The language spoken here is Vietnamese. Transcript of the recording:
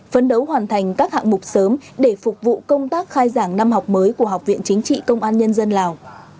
phấn đấu hoàn thành các hạng mục sớm để phục vụ công tác khai giảng năm học mới của học viện chính trị công an nhân dân lào